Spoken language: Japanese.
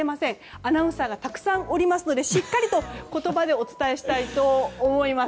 アナウンサーがたくさんおりますのでしっかりと言葉でお伝えしたいと思います。